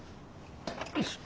よいしょ。